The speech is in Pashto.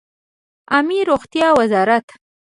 عامې روغتیا وزارت